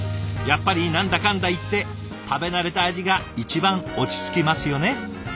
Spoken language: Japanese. やっぱり何だかんだ言って食べ慣れた味が一番落ち着きますよね。